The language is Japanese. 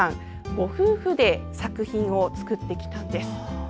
ご夫婦で作品を作ってきたんです。